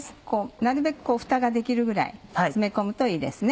なるべくふたができるぐらい詰め込むといいですね。